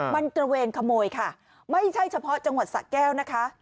มันกระเวนขโมยค่ะไม่ใช่เฉพาะสะแก้วนะคะ